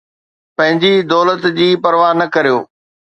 پنهنجي دولت جي پرواهه نه ڪريو